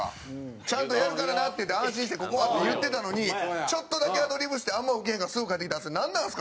「ちゃんとやるからな」って「安心して、ここは」って言ってたのにちょっとだけアドリブしてあんまウケへんからすぐ帰ってきたのなんなんですか？